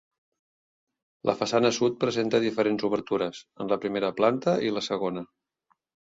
La façana sud presenta diferents obertures, en la primera planta i la segona.